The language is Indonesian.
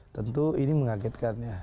tentu ini mengagetkan ya